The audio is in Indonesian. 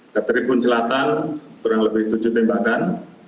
dari pun selatan kurang lebih tujuh tembakan